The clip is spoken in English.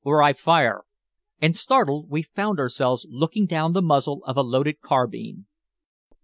or I fire!" And, startled, we found ourselves looking down the muzzle of a loaded carbine.